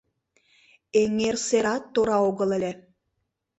Эҥер серат тора огыл ыле.